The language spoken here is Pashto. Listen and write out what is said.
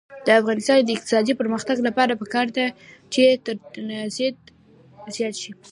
د افغانستان د اقتصادي پرمختګ لپاره پکار ده چې ترانزیت زیات شي.